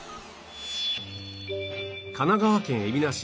神奈川県海老名市